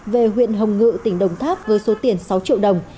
về huyện hồng ngự tỉnh đồng tháp với số tiền sáu triệu đồng